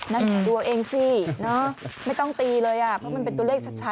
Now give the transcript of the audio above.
นั่นตัวเองสิเนอะไม่ต้องตีเลยอ่ะเพราะมันเป็นตัวเลขชัดอ่ะ